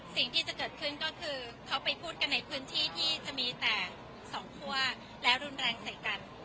สิ่งที่จะเกิดขึ้นก็คือเขาไปพูดกันในพื้นที่ที่จะมีแต่สองคั่วแล้วรุนแรงใส่กัน